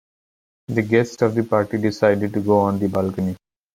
The guests of the party decided to go on the balcony.